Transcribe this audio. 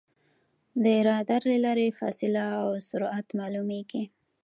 د رادار له لارې فاصله او سرعت معلومېږي.